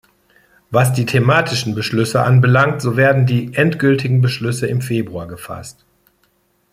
Was die thematischen Beschlüsse anbelangt, so werden die endgültigen Beschlüsse im Februar gefasst.